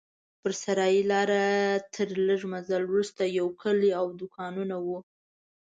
پر صحرایي لاره تر لږ مزل وروسته یو کلی او دوکانونه وو.